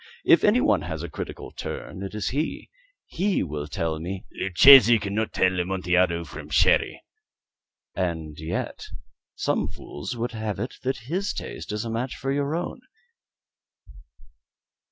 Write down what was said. If any one has a critical turn, it is he. He will tell me " "Luchesi cannot tell Amontillado from Sherry." "And yet some fools will have it that his taste is a match for your own."